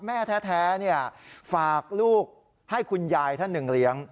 แม่แท้ฝากลูกให้คุณยายท่านหนึ่งเลี้ยง